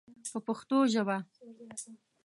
په پښتو ژبه.